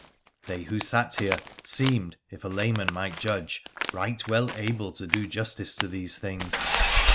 They who sat here seemed, if a layman might judge, right well able to do justice to these things.